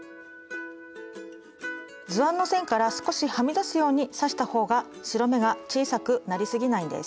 図案の線から少しはみ出すように刺したほうが白目が小さくなりすぎないんです。